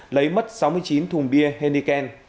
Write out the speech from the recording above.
lấy mất sáu mươi chín thùng bia heniken